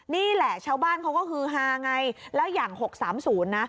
นี่แหละชาวบ้านเขาก็คือหาไงแล้วอย่างหกสามศูนย์นะ